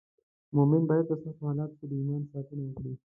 مومن باید په سختو حالاتو کې د ایمان ساتنه وکړي.